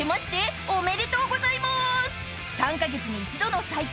［３カ月に一度の祭典